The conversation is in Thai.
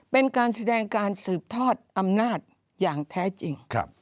เป็นการแสดงการสืบทอดอำนาจอย่างแท้จริง